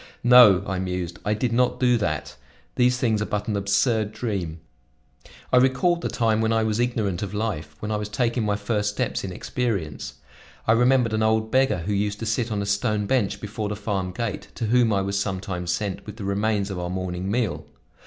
"No," I mused, "I did not do that. These things are but an absurd dream." I recalled the time when I was ignorant of life, when I was taking my first steps in experience. I remembered an old beggar who used to sit on a stone bench before the farm gate, to whom I was sometimes sent with the remains of our morning meal.